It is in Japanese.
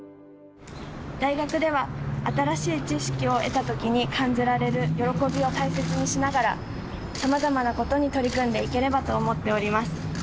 大学では、新しい知識を得たときに感じられる喜びを大切にしながら、さまざまなことに取り組んでいければと思っております。